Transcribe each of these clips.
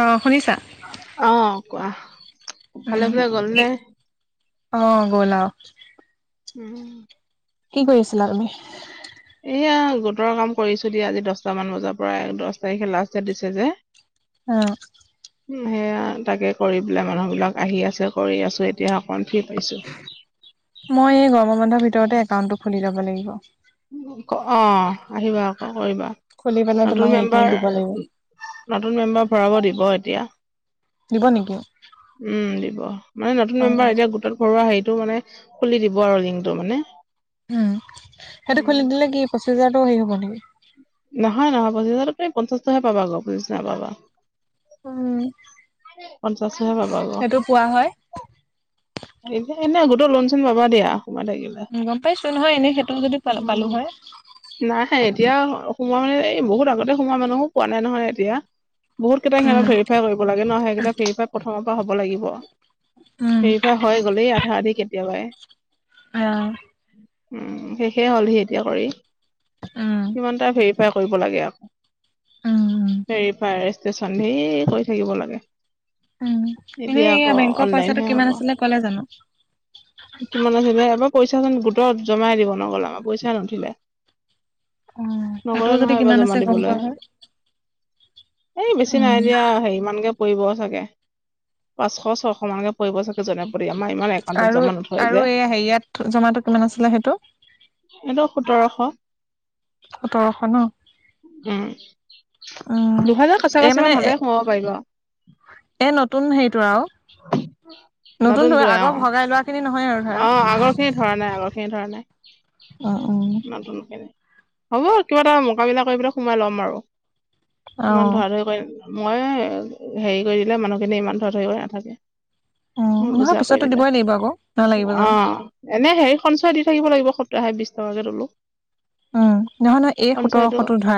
অ শুনিছা অ কোৱা ভালে উম ভালে গ'ল নে অ গ'ল আও উম কি কৰি আছিলা তুমি এয়া গোটৰ কাম কৰিছো দিয়া আজি দহটামান বজাৰ পৰা দহ তাৰিখে লাষ্ট দিছে যে আহ সেয়া তাকে কৰি পেললে মানুহ বিলাক আহি আছে কৰি আছো এতিয়া অকণ মই এই গৰমৰ বন্ধৰ ভিতৰতে একাউন্টটো খুলি লব লাগিব অ আহিবা আকৌ কৰিবা খুলি পেলাই নতুন তোমাক সেইখিনি মেম্বাৰ দিব লাগিব নতুন মেম্বাৰ ভৰাব দিব এতিয়া দিব নেকি উম দিব মানে অ নতুন মেম্বাৰ এতিয়া গোটত ভৰোৱা হেই টো মানে খুলি দিব আৰু লিংটো মানে উম সেইটো উম খুলি দিলে কি পঁচিছ হাজাৰটো হেৰি হ'ব নেকি নহয় নহয় পঁচিছাৰ প্ৰায় পঞ্চাশহে পাবা আকৌ পঁচিছ নাই পাবা উম পঞ্চাশ টুহে পাবা সেইটো পোৱা হয় বাৰু এই এনে আগতে লোন চোন পাবা দিয়া সোমাই থাকিলে উম গম পাইছো নহয় এনেই সেইটো যদি পাল পালো উম হয় নাই হে এতিয়া সোমোৱা মানে এই বহুত আগতে সোমোৱা মানুহো পোৱা নাই নহয় এতিয়া বহুত কেইটা সিহঁতৰ উম ভেৰিফাই কৰিব লাগে ন সেইকেইটা ভেৰিফাই প্ৰথমৰ পৰা হব লাগিব উম হৈ গল আধা আধি কেতিয়াবাই আহ উম শেষে হ'লহি এতিয়া কৰি উম কিমানটা ভেৰিফাই কৰিব লাগে আকৌ উম উম ভেৰিফাই ৰেস্টেচন ধেই কৰি থাকিব লাগে উম এনে এতিয়া আকৌ এয়া বেংকৰ পইচাটো অনলাইনহে হ'ব কিমান আছিলে কলে জানো কিমান আছিলে এবাৰ পইচাচোন গোটত জমাই দিব নগ'লে আমাৰ পইচাই নুঠিলে উম সেইটোও নগলে যদি নহয় কিমান এইবাৰ আছে জমা গম দিবলৈ পোৱা হয় এই বেছি নাই উম দিয়া হেৰি মানকে পৰিব চাগে পাঁচশ ছয়শ মানকে পৰি়ব চাগে জনে পটি আমাৰ ইমান একাউণ্ট আৰু জমা ন আৰু এয়া হেইয়াত জমাটো কিমান আছিলে সেইটো সিহঁতৰ সোতৰশ সোতৰশ ন উম উম দুহেজাৰ কাচা এই কাচি মানে মান এ হ'লেহে সোমাব এই নতুন হেৰিটো আৰু পাৰিব নতুনটো নতুন টোৱে অ আগৰ ভগাই লোৱা খিনি নহয় আৰু ধৰা অ আগৰ খিনি ধৰা নাই আগৰ খিনি ধৰা নাই অ উম নতুন খিনি হ'ব কিবা এটা মকামিলা কৰি পেলাই সোমাই ল'ম আৰু অ ইমান ধৰা ধৰি কৰি মই হেৰি কৰি দিলে মানুহখিনি ইমান ধৰা থৰি কৰি নাথাকে ম উম নহয় বুজা কৰি পিছতো দিলা দিবই লাগিব আকৌ নালাগিব অ জানো এনে হেৰি সঞ্চয় দি থাকিব লাগিব সত্তৰ হাৰ বিশ টকাকে তোলো উম নহয় নহ এই সঞ্চয়টো সোতৰশতো ধৰা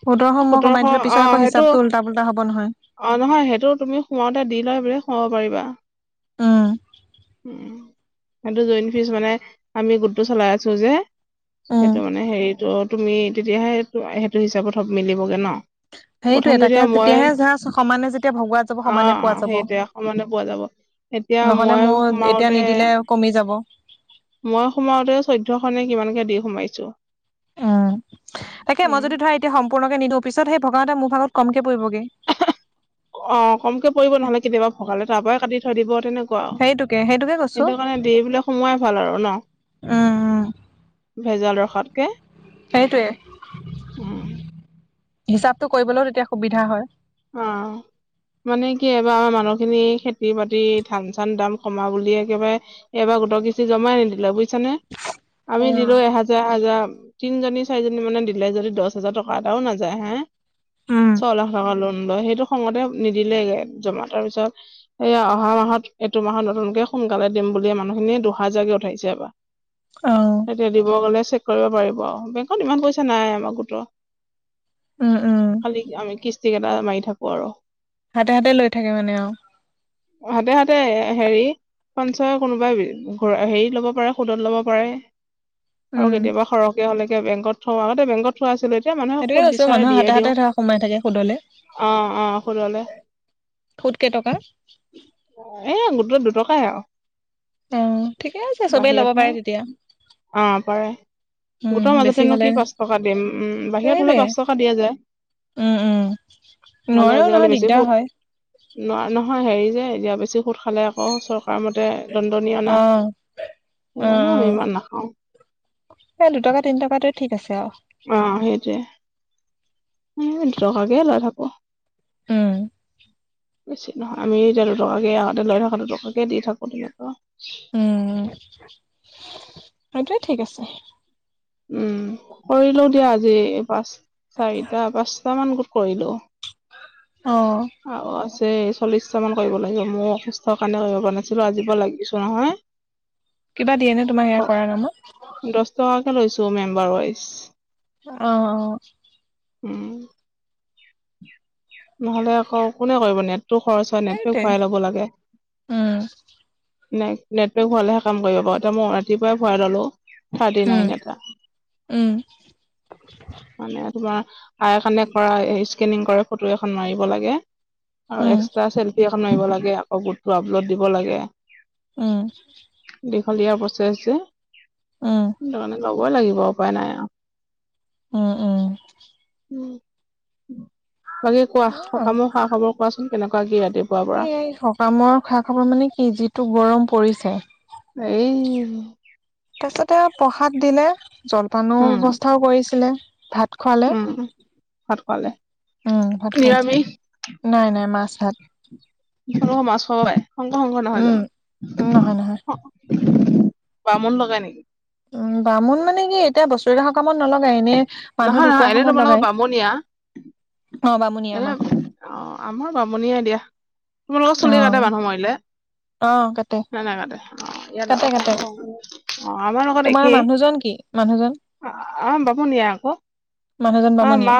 সোতৰশটো সোতৰশ কমাই দিলো অ পিছত আকৌ সেইটো হিচাপটো উল্টা পোল্টা হব নহয় অ নহয় সেইটো তুমি সোমওঁতে দি লয় ব বুলিলে সোমাব পাৰিবা উ উ সেইটো জইন ফিজ মানে আমি গোটটো চলাই আছো যে উম সেইটো মানে হেৰিতটো তুমি তেতিয়াহে সেইটো হিচাপত হব মিলিবগে ন প্ৰথম সেইটোয়ে তাকে যেতিয়া মই তেতিয়াহে ধৰা সমানে যেতিয়া ভগোৱা যাব অ সমানে অ পোৱা যাব সেইটো সমানে পোৱা যাব এতিয়া নহলে মই মোৰ এতিয়া সোমাওতে নিদিলে কমি যাব মই সোমাওতে চৈধ্যশ নে কিমান দি সোমাইছো উম তাকে মই উম যদি ধৰা এতিয়া সম্পূৰ্ণকে নিদিওঁ পিছত সেই ভগাওতে এটা মোৰ ভাগত কম অ কমকে পৰিব নহলে কেতিয়াবা ভগালে তাৰ পৰাই কাটি থৈ দিব তেনেক ক সেইটোকে সেইটোকে সেইটো কাৰণে দি বোলে সোমোৱাই ভাল আৰু ন উ উ ভেজাল ৰখাতকে সেইটোৱে উম হিচাপটো কৰিবলৈও তেতিয়া সুবিধা হয় উম মানে কি এইবাৰ আমাৰ মানুহ খিনি খেতি বাতি ধান চান দাম কমা বুলি একেবাৰে এইবাৰ গোটৰ কিস্তি জমাই নিদিলে বুজিছা নে আমি উম দিলো এ হাজাৰ হাজাৰ তিনজনী চাৰিজনী মানে দিলে যদি দহ হাজাৰ টকা এটাও নাযায় হা চ লাখ সেইটো খঙতে নিদিলেগে জমা তাৰ পিছত এয়া অহা মাহত এইটো মাহত নতুনকে সোনকালে দিম বুলি মানুহখিনি দুহাজাৰকে উঠাইছে এবাৰ অ এতিয়া দিব গ'লে চেক কৰিব পাৰিব আৰু বেংকত ইমান পইচা নাই আমাৰ গোটৰ উম উম খালি আমি কিস্তি কেইটা মাৰি থাকো আৰু হাতে হাতে লৈ থাকে মানে আৰু হাতে হাতে হেৰি পঞ্চয় কোনোবাই হেৰি ল'ব পাৰে সুদত লব পাৰে আৰু উম কেতিয়াবা সৰহকে হলেকে বেকত থোৱা আগতে বেংকত থোৱা আছিলো এতিয়া মানুহে সেইটোকে সুত কৈছো বিচাৰে মানুহৰ দিয়ে হাতে হাতে দিওঁ ধৰা সোমাই থাকে সুদলে অ অ সুুদলে সুদ কেইটকা এ গোটত দুটকাই আৰু অ ঠিকে আছে চবেই ল'ব বাহিৰতহে পাৰে তেতিয়া অ পাৰে উম গোটৰ বেছি মাজতেনো হলে কি পাঁচ টকা দিম উ বাহিৰত হলে সেইটোৱে পাঁচ টকা দিয়া যায়। উম উম মালহ নোৱাৰেও আজিকালি নহয় বেছি দিগদাৰ হয় সোত নহ নহয় হেৰি যে এতিয়া বেছি সোধ খালে আকৌ চৰকাৰ মতে দণ্ডনীয় অনা অ সেইকাৰণে আমি ইমান নাখাও। এ দুটকা তিন টকাটোয়ে ঠিক আছে আৰু। অ', সেইটোৱে দুটকাকে লৈ থাকো উম, বেছি নহয় আমি এতিয়া দুটকাকে আগতে লৈ থকা দুটকাকে দি থাকো তেনেকুৱা আৰু। উম, সেইটোৱে ঠিক আছে। উম, কৰিলোঁ দিয়া আজি এই পাছ চাৰিটা পাঁচটা মান কৰিলোঁ। অ', যে চল্লিশটা মান কৰিব লাগিব মোৰ অসুস্থৰ কাৰণে কৰিব পৰা নাছিলোঁ আজি পৰা লাগিছো নহয়। কিবা দিয়ে নে তোমাক এয়া কৰাৰ নামত? দহ টকাকে লৈছো মেম্বাৰ ৱাইজ। অ', অ', উম, নহ'লে আকৌ কোনে কৰিব নো ইয়াত? ত' খৰচ হয় নাই [unintelligible] সেইটোৱে ঘূৰাই ল'ব লাগে। উম, ন' নেটৱৰ্ক হলেহে কাম কৰিব পাৰো এতিয়া মই ৰাতিপুৱাই ভৰাই ললো। থাৰ্টি উম, নাইন এটা উম, মানে তোমাৰ আ, এখনে কৰা স্কনিং কৰে ফটো এখন মাৰিব লাগে আৰু উম, এক্সা চেল্ফি এখন মাৰিব লাগে আকৌ গোট পুৰাবলৈ দিব লাগে। উম, দীঘলীয়া প্ৰচেজ যে, উম, সেইটো কাৰণে ল'বই লাগিব উপায় নাই আৰু। উম, উম, উম, বাকী কোৱা অ', সকামো খা খবৰ কোৱাচোন কেনেকুৱা কি ৰাতিপুৱাৰ পৰা? নে কি যিটো গৰম পৰিছে হেৰি, তাৰপিছতে প্ৰসাদ দিলে জলপানৰ উম ব্যৱস্থাও কৰিছিলে। ভাত খোৱালে উম ভাত খোৱালে উম, ভাত খুৱাইছে নিৰামিষ নাই নাই মাছ ভাত। কিহৰ মাছ হয়, শংকৰ শংকৰ নহয় উম, জানো? নহয় নহয়। বামুণ লগাই নেকি? উম, বামুণ মানে কি এতিয়া বছৰেকীয়া সকামত নলগাই এনে মানুহ নহয় ঢুকোৱা নহয় এনে সময়ত তোমালোকৰ লগাই। অ', বামুণীয়া হেল্ল মাহ অ, আমাৰ বামুনিয়া দিয়া তোমাৰ লোকৰ চুলি কাতে অ', মানুহ মাৰিলে? অ', কাটে, নাই নাকাতে ইয়াত কাটে আৰু কাটে। শংকৰ শংকৰ আছে। অ', আমাৰ লগত তোমাৰ একেই মানুহজন কি মানুহজন? আ, বামুনিয়া আকৌ। মানুহজন অ', মা বামুণীয়া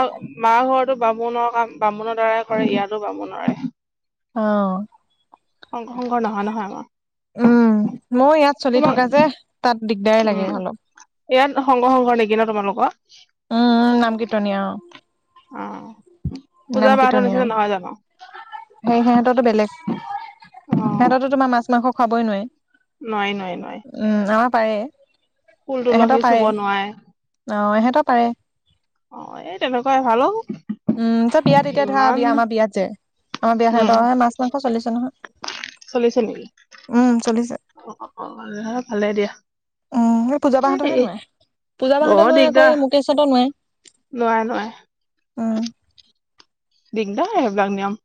মা ঘৰটো বামুণৰ কাম বামুণৰ দাৰাই কৰে ইয়াতো বামুণৰে অ', শংকৰ শংকৰ নহয় নহয় আমাৰ উম, মই ইয়াত চলি তোমাৰ থকা যে তাত দিগদাৰে লাগে উম অলপ। ইয়াত সংঘ সংঘৰ নেকি ন তোমালোকৰ? উম, নামকীৰ্তনীয়া অ', অ', নাম পূজাৰ বা হঁতৰ কীৰ্তনীয়া নিচিনা অ', নহয় জানো? অ সিহঁতো তোমাৰ মাছ মাংস খাবই নোৱাৰি। নাই, নাই, নাই। উম আমাৰ পাৰে, ইহঁতে পাৰে। চুব নোৱাৰে অ', ইহঁতে পাৰে। অ' এই তেনেকুৱাই ভাল অ'। উম, তো বিয়াত এতিয়া ধৰা, ইমান বিয়া আমাৰ বিয়াত যে, আমাৰ উম বিয়াখনত মাছ-মাংস চলিছে নহয়! চলিছে নেকি? উম চলিছে অ' অ' ভালে। দিয়া উম, সেই পূজাবাহঁতৰহে এই নোৱাৰে। বৰ পূজাবাহঁতৰ নোৱাৰে আকৌ দিগদাৰ এই মুকেশহঁতৰ নোৱাৰে। নোৱাৰে, নোৱাৰে। উম। দিগদাৰ লাগে সেইবিলাক নিয়ম।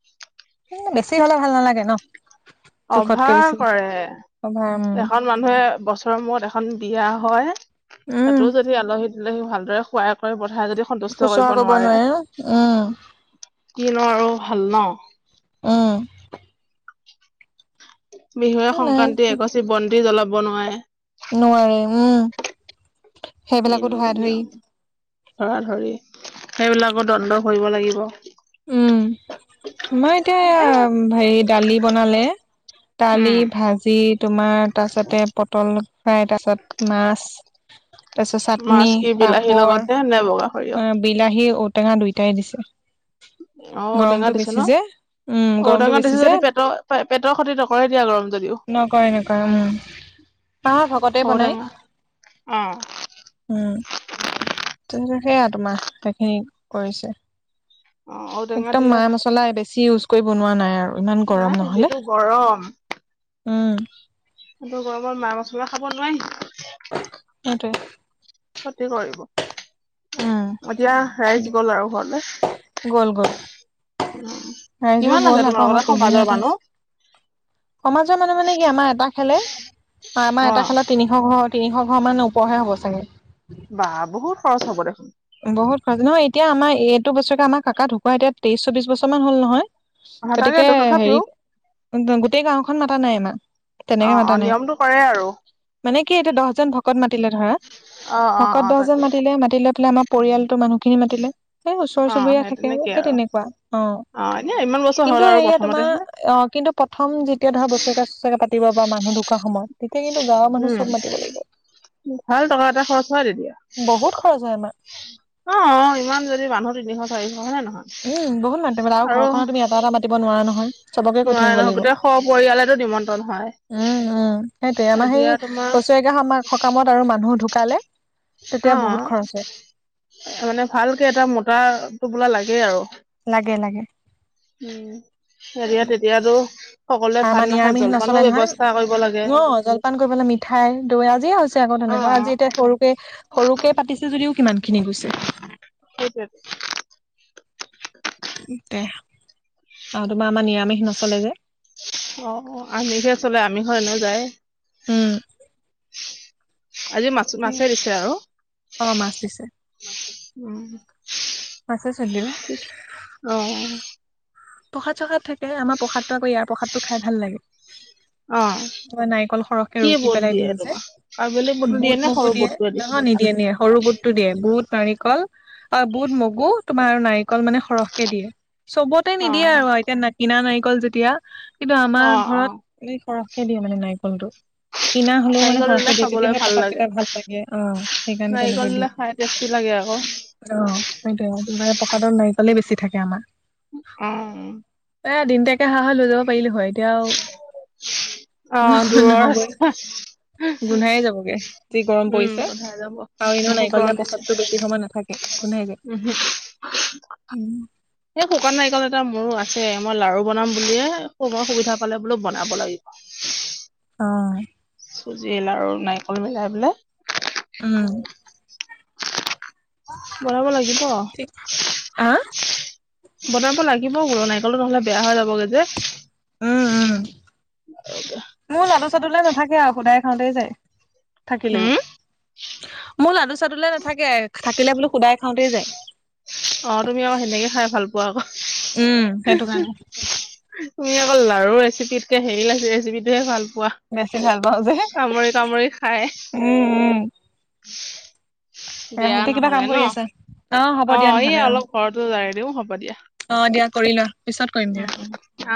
এ বেছি হ'লে ভাল নালাগে ন'? জোখতকৈ অভাৰ বেছি কৰে। উম এখন মানুহে বছৰৰ মূৰত এখন এখন বিয়া হয়, উম তাতো যদি আলহী-দুলহী ভালদৰে খুৱাই খুৱাই পঠাই যদি সন্তুষ্ট শুশ্ৰূষা কৰিব নোৱাৰে, ন উম কিনো আৰু ভাল ন'? উম। বিহুৱে- নাই সংক্ৰান্তি এগচি বন্তি জ্বলাব নোৱাৰে। নোৱাৰে, উম। সেইবিলাকো কিনো ধৰা ধৰি নিয়ম, ধৰা-ধৰি, সেইবিলাকো দণ্ড ভৰিব লাগিব। উম। মই এতিয়া, হেৰি ডালি বনালে। ডালি, উম ভাজি তোমাৰ তাৰ পিছতে পটল। ফ্ৰাই, তাৰ পিছত মাছ, তাৰপিছত মাছ চাটনী, কি বিলাহীৰ পাপৰ, লগতে নে বগা সৰিয়হ অ' বিলাহী, ঔটেঙা দুইটাই দিছে। [inaudible] অ' ঔটেঙা গৰমটো দিছে বেছি ন'? যে উম গৰমটো ঔটেঙা বেছি দিছে যে যদি পেটৰ-পেটৰ ক্ষতি নকৰে দিয়া গৰম যদিও। নকৰে, নকৰে হয়। অ', ভকতে বনায়। ঔটেঙা অ উম। [unintelligible] সেইয়া তোমাৰ, সেইখিনি কৰিছে। অ ঔটেঙা একদম দিলে মা-মছলা বেছি ইউজ কৰি বনোৱা নাই আৰু। ইমান গৰম নাই নহ'লে! যিটো উম। ইটো গৰমত মা-মছলা খাব নোৱাৰি। সেইটোৱে। ক্ষতি কৰিব। উম এতিয়া ৰাইজ গ'ল আৰু ঘৰলে? গ'ল, গ'ল। ৰাইজো কিমান আছে গ'ল আকৌ তোমালোকৰ আমাৰ তাত সমাজৰ পেহিহঁত মানুহ? আহিছে। সমাজৰ মানুহ মানে কি আমাৰ এটা খেলে। হয়, আমাৰ এটা অ', খেলত তিনিশ ঘৰ, তিনিশ ঘৰ মানৰ ওপৰহে হ'ব চাগে! বা! বহুত খৰচ হ'ব দেখোন! বহুত খৰচ, নহয় এতিয়া আমাৰ এইটো বছৰকে আমাৰ কাকা ঢুকুৱা এতিয়া তেইছ-চৌবিছ বছৰমান হ'ল নহয়। অ', গতিকে তাকেতো তথাপিও হেৰি, গোটেই গাওঁখন মাতা নাই ইমান। অ' অ', নিয়মটো কৰে আৰু। মানে কি এতিয়া দহজন ভকত মাতিলে ধৰা, অ', অ', ভকত অ', দহজন তাকে মাতিলে, মাতি লৈ পেলাই আমাৰ পৰিয়ালটোৰ মানুহখিনি মাতিলে, সেই ওচৰ অ', চুবুৰীয়া সেই থাকে আৰু তেনেকে সেই তেনেকুৱা। অ'। এনে ইমান বছৰ হ'ল কিন্তু আৰু এয়া তোমাৰ প্ৰথমতেহে অ', কিন্তু প্ৰথম যেতিয়া ধৰা বছৰেকীয়া-চচৰেকীয়া পাতি তিব বা মানুহ ঢুকুৱা সময়ত, তেতিয়া কিন্তু গাঁৱৰ মানুহ উম, চব মাতিব লাগিব। ভাল টকা এটা খৰচ হয় তেতিয়া। বহুত খৰচ হয় আমাৰ অ' অ' ইমান যদি মানুহ তিনিশ-চাৰিশ, হয়নে নহয়? উম বহুত মাতিব, আৰু ঘৰখনৰ তুমি এটা-এটা মাতিব নোৱাৰা নহয়। চবকে কৈ থৈ নোৱাৰে আহিব নহয় লাগিব। গোটেই সপৰিয়ালেতো নিমন্ত্ৰণ হয়। উম, উম, সেইটোয়ে। আমাৰ সেই এতিয়া তোমাৰ বছৰেকীয়া সমা-সকামত আৰু মানুহ ঢুকালে তেতিয়া বহুত অ', খৰচ হয় মানে ভালকে এটা মোটা টোপোলা লাগেই আৰু। লাগে, লাগে। উম হেৰিয়া তেতিয়াতো সকলোৱে আৰু আমাৰ ভাত নাখায় নিৰামিষ নচলে জলপানৰ নহয় ব্যৱস্থা কৰিব লাগে অ জলপান কৰিবলৈ মিঠাই দৈ আজিয়ে হৈছে আকৌ অ তেনেকুৱা আজি এতিয়া সৰুকে সৰুকে পাতিছে যদিও কিমান খিনি গৈছে সেইটোৱে টো দে আহ তোমাৰ আমাৰ নিৰামিষ নচলে যে অ অ আমিষহে চলে আমিষত এনেও যায় এ উম আজি মাছ সেই মাছে দিছে আৰু অ মাছ দিছে উম্ মাছে চলি দিলে অ অ প্ৰসাদ চসাদ থাকে আমাৰ প্ৰসাদটো আকৌ ইয়াৰ প্ৰসাদটো খাই ভাল লাগে অ কিবা নাৰিকল সৰহকে কি ৰুকি বুট পেলাই দিয়ে দিলে যে তোমাৰ আৰু বেলেগ বুটো দিয়ে বুট নে সৰু মগু দিয়ে বুটটোৱে নহয় নিদিয়ে নিয়ে সৰু বুটটো দিয়ে বুত নাৰিকল অ বুট মগু তোমাৰ নাৰিকল মানে সৰহকে দিয়ে চব তাতে অ নিদিয়ে আৰু এতিয়া কিনা নাৰিকল যেতিয়া কিন্তু আমাৰ অ অ ঘৰত এ সৰহ কে দিয়ে মানে নাৰিকলটো কিনা হলেও মানে নাৰিকল দিলে সৰহকে দিয়ে খাবলৈ তেতিয়াহে ভাল প্ৰসাদ লাগে কেইটা ভাল লাগে অ সেইকাৰণে নাৰিকল তেনেকে দিয়ে দিলে খাই টেষ্টি লাগে আকৌ অ সেইটো প্ৰসাদৰ নাৰিকলে বেছি থাকে আমাৰ অ এ দিনতীয়া কে অহা হৈ লৈ যাব পাৰিলো হয় এতিয়া আৰু অ নহ- দূৰৰ নহ'বই উম গোন্ধায়ে যাবগে যি গৰম পৰিছে গুন্ধাই যাব আৰু এনেও বহুত নাৰিকল দিয়া গৰম দিছে প্ৰসাদটো বেছি সময় নাথাকে গোন্ধাই যায় উম শুক শুকান নাৰিকল এটা মোৰো আছে মই লাৰু বনাম বুলিয়ে সময় সুবিধা পালে বোলো বনাব লাগিব। অ। চুজি লাৰু নাৰিকল মিলাই পেলাই- উম। বনাব লাগিব। ঠিক। আহ বনাব লাগিব বোলো নাৰিকলটো নহলে বেয়া হৈ যাবগৈ যে- উম উম [unintelligible] মোৰ লাডু চাডুলে নাথাকে আৰু সুদায় খাওঁতেই যায় থাকিলেও- হুম মোৰ লাডু চাডুলৈ নাথাকে থাকিলে বোলো সুদায়ে খাওঁতেই যায়। অ তুমি আৰু সেনেকে খাই ভাল পোৱা আকৌ। উম সেইটো কাৰণে। চিপিত কে হেৰি ৰেপিটোহে ভাল- বেছি উৱাহ ভাল পাওঁ যে কামৰি কামৰি খাই। উম উম আহ, দিয়া এতিয়া কিবা নহলে কাম ন কৰি আছা হ'ব অ দিয়া এই নহ'লে অ অলপ ঘৰতো জাৰি দিও হ'ব দিয়া। অ দিয়া কৰি লোৱা পিছত কৰিম দিয়া উম উম অ।